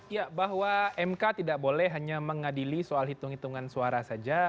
ya bahwa mk tidak boleh hanya mengadili soal hitung hitungan suara saja